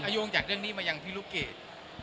อายุจากเรื่องนี้มาอย่างที่ลูกเกจ